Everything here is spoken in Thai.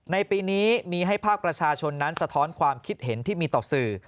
ในปีนี้มีให้ภาคประชาชนนั้นสะท้อนความคิดเห็นที่มีต่อสื่อ